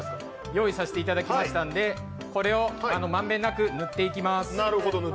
用意させていただきましたので、これを満遍なく塗っていきます。